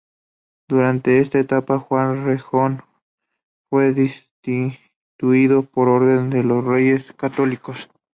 Durante esta etapa Juan Rejón fue destituido por orden de los Reyes Católicos.